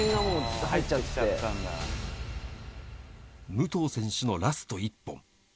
武藤選手のラスト１本。